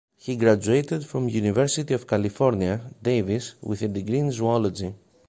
He graduated from University of California, Davis, with a degree in zoology.